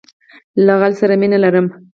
له غزل سره مینه لرم.